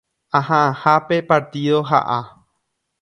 Aha'ãhápe partido ha'a.